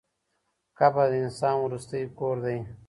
قبر د انسان وروستی کور دی.